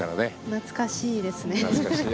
懐かしいですね。